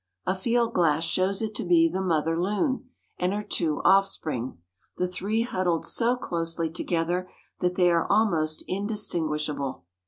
A field glass shows it to be the mother loon and her two offspring, the three huddled so closely together that they are almost indistinguishable.